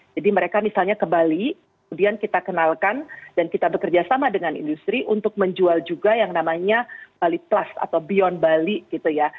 jadi mereka misalnya ke bali kemudian kita kenalkan dan kita bekerja sama dengan industri untuk menjual juga yang namanya bali plus atau beyond bali gitu ya